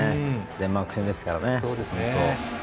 デンマーク戦ですから。